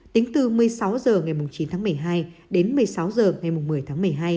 tính từ một mươi sáu h ngày chín tháng một mươi hai đến một mươi sáu h ngày một mươi tháng một mươi hai